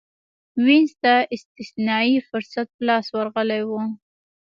وینز ته استثنايي فرصت په لاس ورغلی و